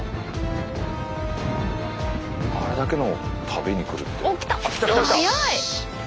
あれだけのを食べにくるって。